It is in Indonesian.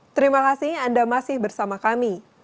terima kasih anda masih bersama kami